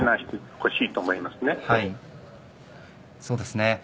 そうですね。